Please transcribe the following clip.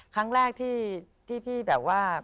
ครั้งแรกที่พี่แบบว่า